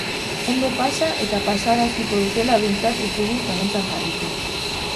Ondo pasa eta pasaraziko dutela behintzat ez dugu zalantzan jarriko.